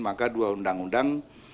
maka dua undang undang